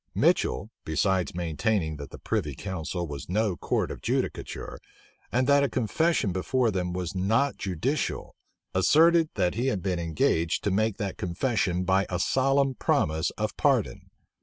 Mitchel, besides maintaining that the privy council was no court of judicature, and that a confession before them was not judicial, asserted that he had been engaged to make that confession by a solemn promise of pardon.